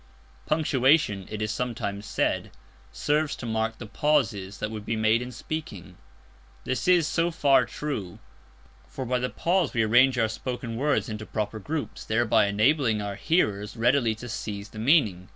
Punctuation, it is sometimes said, serves to mark the pauses that would be made in speaking. This is so far true; for by the pause we arrange our spoken words into proper groups, thereby enabling our hearers readily to seize the meaning.